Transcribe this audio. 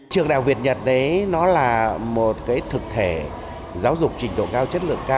trường đại học việt nhật là một thực thể giáo dục trình độ cao chất lượng cao